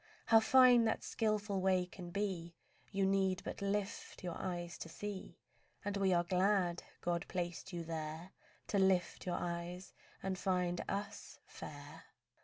How fine that skilful way can be You need but lift your eyes to see; And we are glad God placed you there To lift your eyes and find us fair.